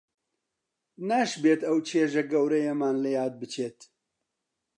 ناشبێت ئەو چێژە گەورەیەمان لە یاد بچێت